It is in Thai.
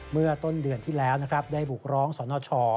เมื่อต้นเดือนที่แล้วนะครับได้บุกร้องสนช